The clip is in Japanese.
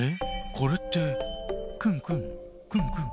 これってくんくんくんくん。